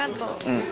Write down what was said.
うん。